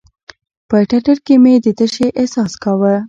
په ټټر کښې مې د تشې احساس کاوه.